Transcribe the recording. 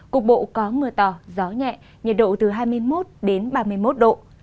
cục bộ có mưa to gió nhẹ nhiệt độ từ hai mươi một đến ba mươi một độ